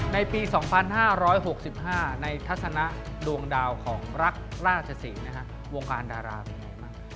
ในปี๒๕๖๕ในทัศนะดวงดาวของรักราชศรีวงการดาราเป็นไงบ้าง